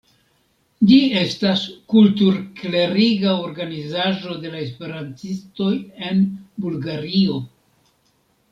Ĝi estas kultur-kleriga organizaĵo de la esperantistoj en Bulgario.